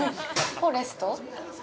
◆フォレスト。